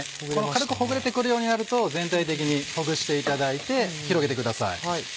軽くほぐれて来るようになると全体的にほぐしていただいて広げてください。